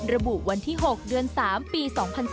ระบุวันที่๖เดือน๓ปี๒๔